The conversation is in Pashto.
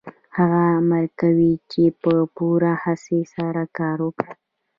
هغه امر کوي چې په پوره هڅې سره کار وکړئ